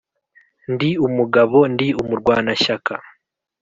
ndi umugabo ndi umurwanashyaka,